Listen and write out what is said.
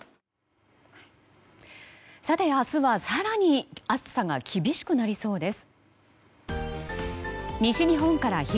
明日は更に暑さが厳しくなりそうです。